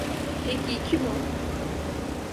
Peki kim o?